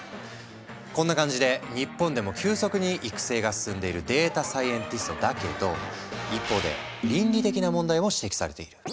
こんな感じで日本でも急速に育成が進んでいるデータサイエンティストだけど一方で倫理的な問題も指摘されている。